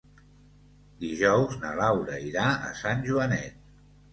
Dijous na Laura irà a Sant Joanet.